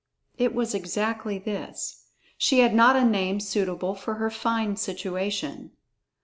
It was exactly this. She had not a name suitable for her fine situation.